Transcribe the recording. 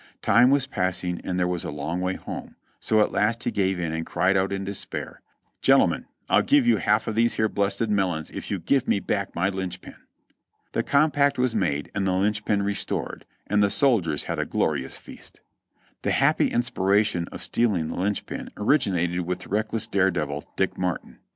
Time was passing, and there was a long way home, so at last he gave in and cried out in despair: "Gentlemen, I'll give you half of these here blessed melons if you gives me back my linchpin." The compact was made and the linchpin restored, and the soldiers had a glorious feast. Tlie happy inspiration of stealing the linchpin originated with the reckless dare devil Dick Martin.